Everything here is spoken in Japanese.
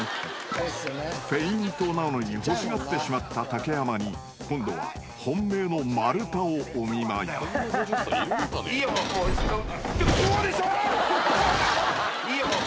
［フェイントなのに欲しがってしまった竹山に今度は本命の丸太をお見舞い］いいよ。